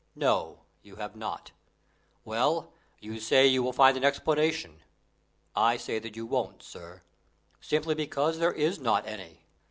"No; you have not. Well, you say you will find an explanation. I say that you won't, sir, simply because there is not any."